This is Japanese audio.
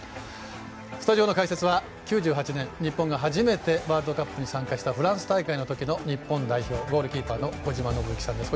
スタジオの解説は９８年、日本が初めてワールドカップに参加したフランス大会のときの日本代表ゴールキーパーの小島伸幸さんです。